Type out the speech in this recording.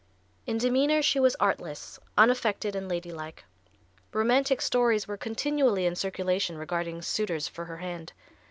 In demeanor she was artless, unaffected and ladylike. Romantic stories were continually in circulation regarding suitors for her hand.